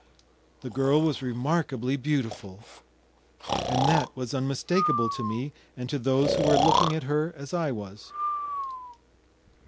The girl was remarkably beautiful, and that was unmistakable to me and to those who were looking at her as I was.